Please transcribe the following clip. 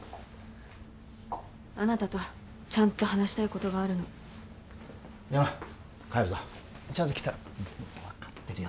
あなたとちゃんと話したいことがあるの深山帰るぞちゃんと着たら分かってるよ